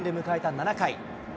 ７回。